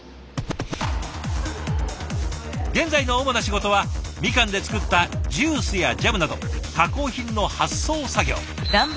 現在の主な仕事はみかんで作ったジュースやジャムなど加工品の発送作業。